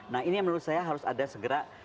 nah ini yang menurut saya harus ada segera